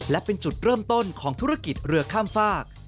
และเป็นจุดเริ่มต้นของธุรกิจเรือข้ามฝาก